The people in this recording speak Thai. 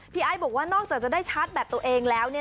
พี่ไอ้บอกว่านอกจากจะได้ชาร์จแบตตัวเองแล้ว